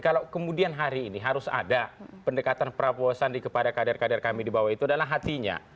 kalau kemudian hari ini harus ada pendekatan prabowo sandi kepada kader kader kami di bawah itu adalah hatinya